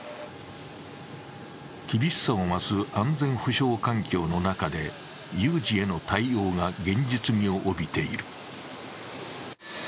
厳しさを増す安全保障環境の中で有事への対応が現実味を帯びている。